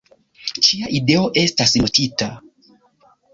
Ĉia ideo estas notita.